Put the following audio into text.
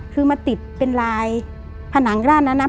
คือมาติดเป็นลายผนังด้านนั้นนะ